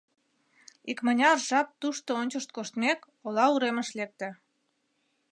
Икмыняр жап тушто ончышт коштмек, ола уремыш лекте.